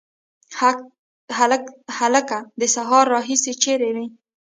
هلکه د سهار راهیسي چیري وې؟